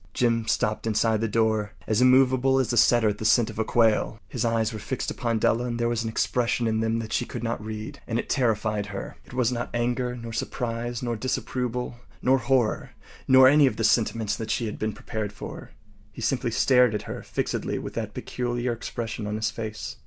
Jim stopped inside the door, as immovable as a setter at the scent of quail. His eyes were fixed upon Della, and there was an expression in them that she could not read, and it terrified her. It was not anger, nor surprise, nor disapproval, nor horror, nor any of the sentiments that she had been prepared for. He simply stared at her fixedly with that peculiar expression on his face.